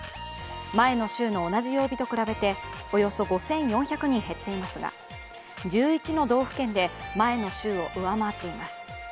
前の週の同じ曜日と比べておよそ５４００人減っていますが１１の道府県で前の週を上回っています。